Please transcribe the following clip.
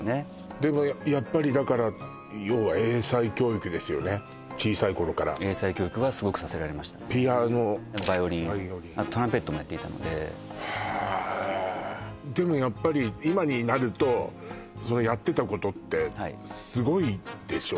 でもやっぱりだから要は小さい頃から英才教育はすごくさせられましたピアノバイオリンあとトランペットもやっていたのでへえでもやっぱり今になるとそのやってたことってはいすごいでしょう？